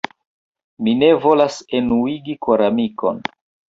Mi ne volas enuigi koramikon.